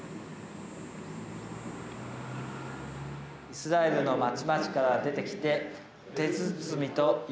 イスラエルのまちまちから出てきて。